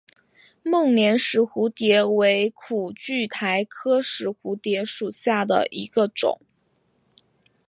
孟连石蝴蝶为苦苣苔科石蝴蝶属下的一个种。